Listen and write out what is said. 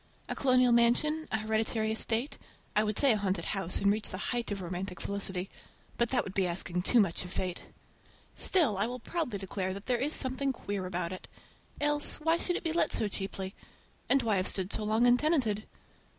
A colonial mansion, a hereditary estate, I would say a haunted house, and reach the height of romantic felicity—but that would be asking too much of fate! Still I will proudly declare that there is something queer about it. Else, why should it be let so cheaply? And why have stood so long untenanted?